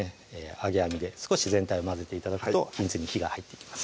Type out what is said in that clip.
揚げ網で少し全体を混ぜて頂くと均一に火が入っていきます